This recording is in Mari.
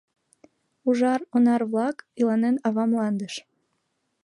Ужар онар-влак, иланен ава мландеш